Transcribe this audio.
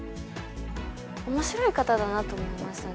おもしろい方だなと思いましたね。